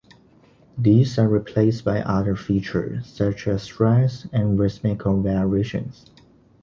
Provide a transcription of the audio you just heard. These are replaced by other features such as stress and rhythmical variations.